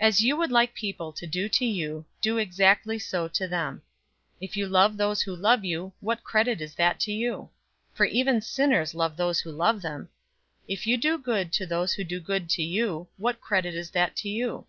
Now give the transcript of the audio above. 006:031 "As you would like people to do to you, do exactly so to them. 006:032 If you love those who love you, what credit is that to you? For even sinners love those who love them. 006:033 If you do good to those who do good to you, what credit is that to you?